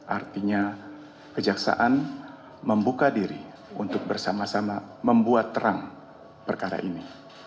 artinya kejaksaan membuka diri untuk bersama sama membuat terang perkara ini